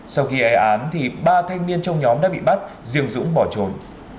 sau khi gây án thì ba thanh niên trong nhóm đã bị bắt riêng dũng bỏ trốn